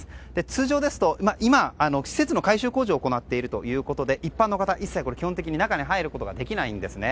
通常ですと、今施設の改修工事を行っているということで一般の方は基本的に一切中に入ることができないんですね。